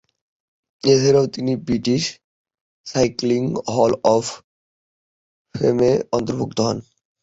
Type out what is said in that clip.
এছাড়াও তিনি British cycling hall of ফেমে অন্তর্ভুক্ত হন।